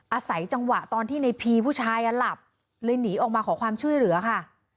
อาศัยจังหวะตอนที่ในพีผู้ชายหลับเลยหนีออกมาขอความช่วยเหลือค่ะ